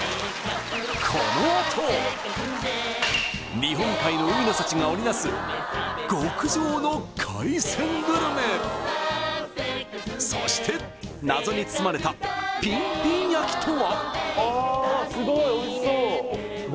日本海の海の幸が織りなすそして謎に包まれたピンピン焼きとは？